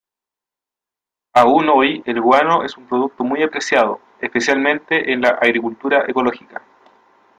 Aún hoy el guano es un producto muy apreciado, especialmente en la agricultura ecológica.